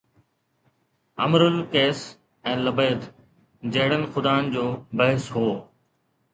امر القيس ۽ لبيد جهڙن خدائن جو بحث هو.